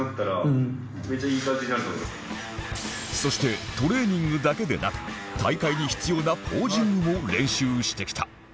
そしてトレーニングだけでなく大会に必要なポージングも練習してきた